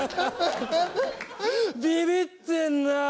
ビビってんなあ！